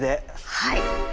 はい。